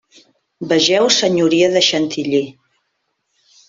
Vegeu senyoria de Chantilly.